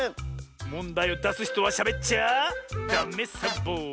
もんだいをだすひとはしゃべっちゃダメサボ！